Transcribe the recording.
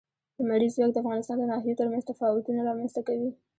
لمریز ځواک د افغانستان د ناحیو ترمنځ تفاوتونه رامنځ ته کوي.